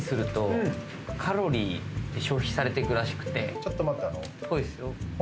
ちょっと待った。